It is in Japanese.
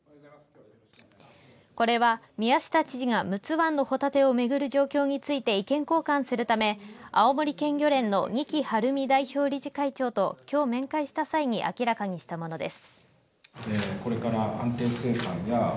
これは、宮下知事が陸奥湾のホタテを巡る状況について意見交換するため青森県漁連の二木春美代表理事会長ときょう面会した際に明らかにしたものです。